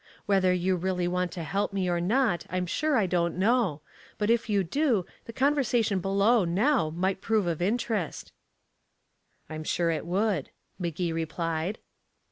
Whether you really want to help me or not I'm sure I don't know, but if you do, the conversation below now might prove of interest." "I'm sure it would," Magee replied.